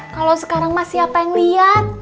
kalo sekarang mah siapa yang liat